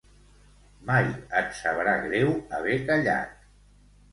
Mai et sabrà greu haver callat.